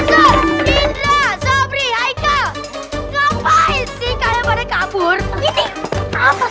hidra sabri haikal ngapain sih kayak pada kabur ini apa